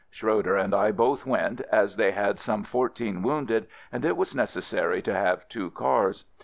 Schroeder and I both went, as they had some fourteen wounded and it was necessary to have two cars.